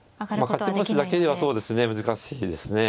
勝ち星だけではそうですね難しいですね。